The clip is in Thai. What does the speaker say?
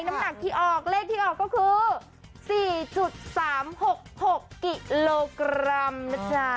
น้ำหนักที่ออกเลขที่ออกก็คือ๔๓๖๖กิโลกรัมนะจ๊ะ